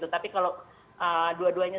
tapi kalau dua duanya